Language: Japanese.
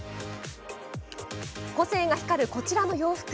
個性が光るこちらの洋服